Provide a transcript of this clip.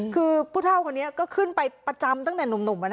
คือผู้เท่าคนนี้ก็ขึ้นไปประจำตั้งแต่หนุ่ม